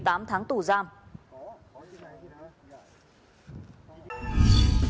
cảm ơn các bạn đã theo dõi và hẹn gặp lại